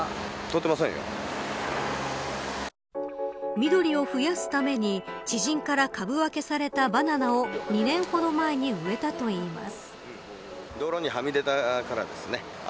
緑を増やすために知人から株分けされたバナナを２年ほど前に植えたといいます。